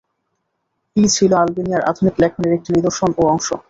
এই ছিলো আলবেনিয়ার আধুনিক লেখনীর একটি নিদর্শন ও অংশ।